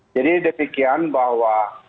jadi demikian bahwa